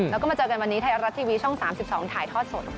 แล้วก็มาเจอกันวันนี้ไทยรัฐทีวีช่อง๓๒ถ่ายทอดสด